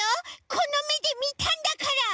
このめでみたんだから！